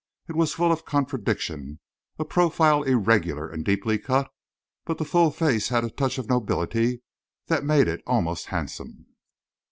It was full of contradiction; a profile irregular and deeply cut, but the full face had a touch of nobility that made it almost handsome.